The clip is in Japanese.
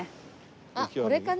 あっこれかな？